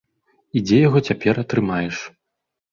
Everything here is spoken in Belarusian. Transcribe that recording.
І дзе яго цяпер атрымаеш.